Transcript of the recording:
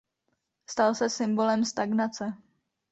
Stal se symbolem stagnace.